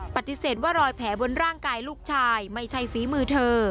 ปฏิเสธว่ารอยแผลบนร่างกายลูกชายไม่ใช่ฝีมือเธอ